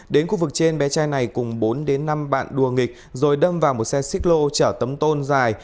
đến khu vực trên bé trai này cùng bốn đến năm bạn đùa nghịch rồi đâm vào một xe xích lô chở tấm tôn dài